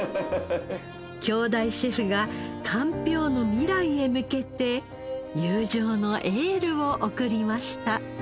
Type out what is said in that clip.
兄弟シェフがかんぴょうの未来へ向けて友情のエールを送りました。